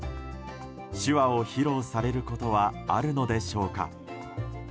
手話を披露されることはあるのでしょうか。